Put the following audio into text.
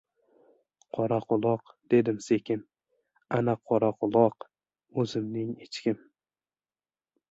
— Qoraquloq, — dedim sekin. — Ana, Qoraquloq! o‘zimning echkim.